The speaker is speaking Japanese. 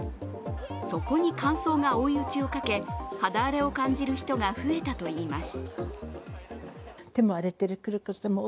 そこに乾燥が追い打ちをかけ、肌荒れを感じる人が増えたといいます。